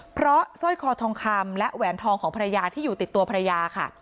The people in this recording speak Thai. เพราะสร้อยคอทองคำและแหวนทองของภรรยาที่อยู่ติดตัวภรรยาค่ะ